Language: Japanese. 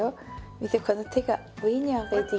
見てこの手が上に上げていくと。